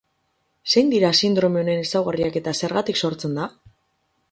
Zein dira sindrome honen ezaugarriak eta zergatik sortzen da?